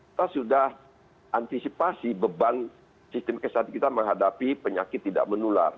kita sudah antisipasi beban sistem kesehatan kita menghadapi penyakit tidak menular